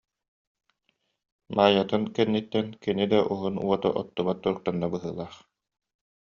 Маайатын кэнниттэн кини да уһун уоту оттубат туруктанна быһыылаах